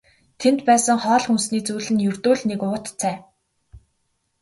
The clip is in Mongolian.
Тэнд байсан хоол хүнсний зүйл нь ердөө л нэг уут цай.